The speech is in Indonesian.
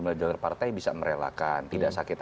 melalui jalur partai bisa merelakan tidak sakit